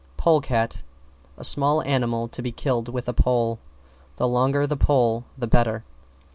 =POLE CAT= A small animal to be killed with a pole, the longer the pole the better.